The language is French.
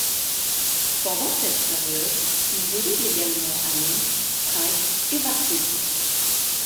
Pendant cette période, il dirige également à Londres, Prague et Varsovie.